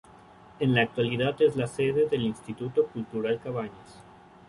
En la actualidad es la sede del Instituto Cultural Cabañas.